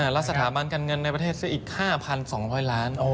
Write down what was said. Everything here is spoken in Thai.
แล้วสถาบันการเงินในประเทศซื้ออีก๕๒๐๐ล้าน